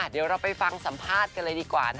เดี๋ยวเราไปฟังสัมภาษณ์กันเลยดีกว่า